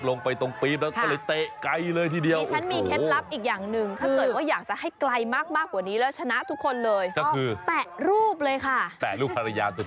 ลงไปตรงปี๊บแล้วก็เลยเตะไกลเลยทีเดียว